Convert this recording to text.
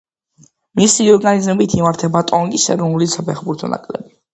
მისი ორგანიზებით იმართება ტონგის ეროვნული საფეხბურთო ნაკრები.